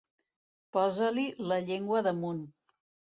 Posar-li la llengua damunt.